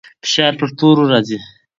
فشار پر تورو راځي.